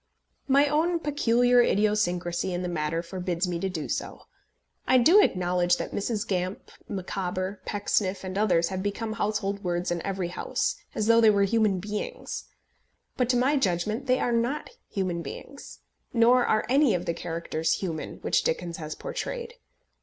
My own peculiar idiosyncrasy in the matter forbids me to do so. I do acknowledge that Mrs. Gamp, Micawber, Pecksniff, and others have become household words in every house, as though they were human beings; but to my judgment they are not human beings, nor are any of the characters human which Dickens has portrayed.